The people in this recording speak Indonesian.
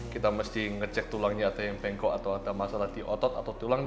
kita mesti ngecek tulangnya ada yang bengkok atau ada masalah di otot atau tulang